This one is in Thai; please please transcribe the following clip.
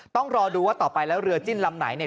ต้องรอดูว่าต่อไปแล้วเรือจิ้นลำไหนเนี่ย